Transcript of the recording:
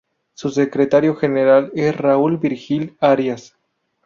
Su secretario general es Raul Virgil Arias.